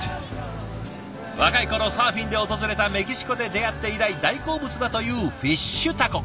若い頃サーフィンで訪れたメキシコで出会って以来大好物だというフィッシュタコ。